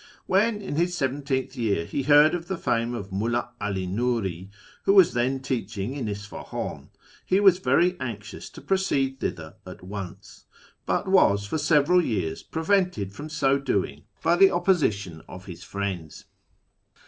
Wlien in his seventeenth year he heard of the fame of MulL'i 'Ali Ni'iri, who was tlicn teaching in Isfahan, he was very anxious to proceed thither at once, but was for several years prevented from so doing by the opposition of his friends.